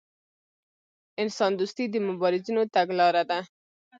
انسان دوستي د مبارزینو تګلاره ده.